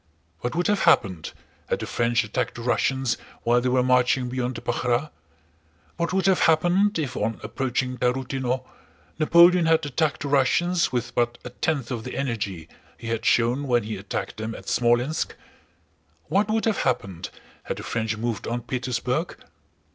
What would have happened had the French attacked the Russians while they were marching beyond the Pakhrá? What would have happened if on approaching Tarútino, Napoleon had attacked the Russians with but a tenth of the energy he had shown when he attacked them at Smolénsk? What would have happened had the French moved on Petersburg?...